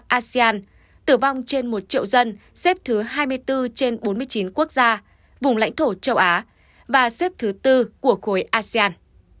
so với châu á tổng số ca tử vong trên một triệu dân xếp thứ hai mươi bốn trên bốn mươi chín quốc gia vùng lãnh thổ châu á và xếp thứ bốn của khối asean